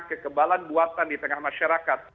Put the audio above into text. kekebalan buatan di tengah masyarakat